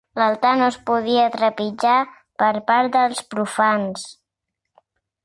L'altar no es podia trepitjar per part dels profans.